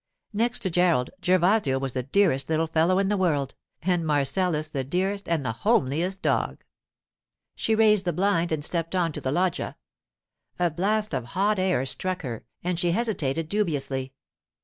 Next to Gerald, Gervasio was the dearest little fellow in the world, and Marcellus the dearest and the homeliest dog. She raised the blind and stepped on to the loggia. A blast of hot air struck her, and she hesitated dubiously.